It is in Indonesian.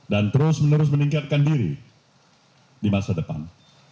dan terus menerus meningkatkan diri di masa depan